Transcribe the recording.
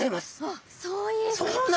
あっそういうこと。